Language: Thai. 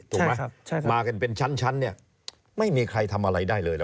ถูกไหมมากันเป็นชั้นเนี่ยไม่มีใครทำอะไรได้เลยนะ